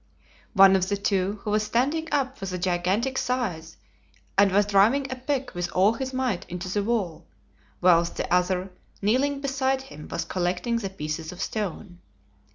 One of the two, who was standing up, was of gigantic size and was driving a pick with all his might into the wall, whilst the other, kneeling beside him, was collecting the pieces of stone.